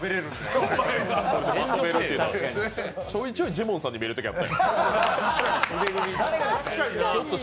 ちょいちょいジモンさんに見えるときがある。